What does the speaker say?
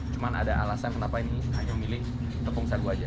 cuma ada alasan kenapa ini hanya milih tepung sagu aja